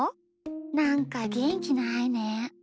なんかげんきないねえ。